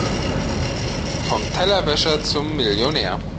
Vom Tellerwäscher zum Millionär.